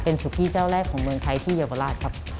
สุกี้เจ้าแรกของเมืองไทยที่เยาวราชครับ